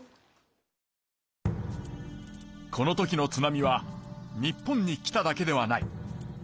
この時の津波は日本に来ただけではない。